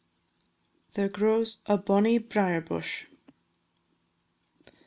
THERE GROWS A BONNIE BRIER BUSH.